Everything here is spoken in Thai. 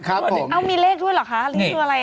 เอ้ามีเลขด้วยหรอคะ